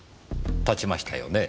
立ちましたよね？